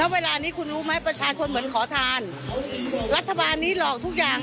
ว่าการระดับฐานรัฐบาลนี้หลอกทุกอย่าง